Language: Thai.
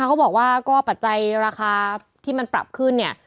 เขาบอกว่าก็ปัจจัยราคาที่มันปรับขึ้นเนี่ย